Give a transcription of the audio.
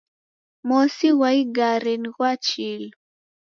Mosi ghwa igari ni ghwa chilu